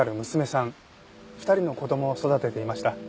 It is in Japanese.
２人の子供を育てていました。